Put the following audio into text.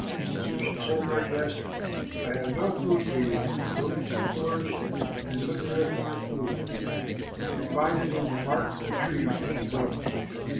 So she said to her guest, "I have no food for you. Go to the forest and look there for your food. You can find it in the bark of the trees, if you will."